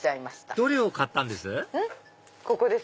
どれを買ったんです？